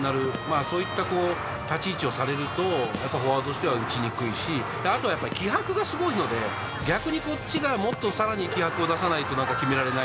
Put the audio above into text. そういった立ち位置をされるとフォワードとしては打ちにくいし、気迫がすごいので、こちらがさらに気迫を出さないと決められない。